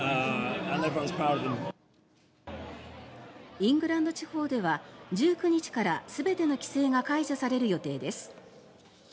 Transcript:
イングランド地方では１９日から全ての規制が解除される予定です。